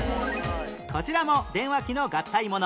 こちらも電話機の合体もの